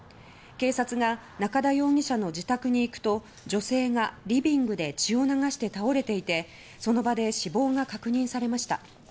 警察が中田容疑者の自宅に行くと女性がリビングで血を流して倒れていてその場で死亡が確認されました。